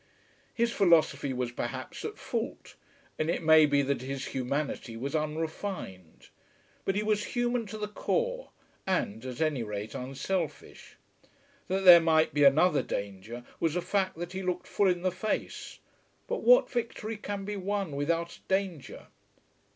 His philosophy was perhaps at fault, and it may be that his humanity was unrefined. But he was human to the core, and, at any rate, unselfish. That there might be another danger was a fact that he looked full in the face. But what victory can be won without danger?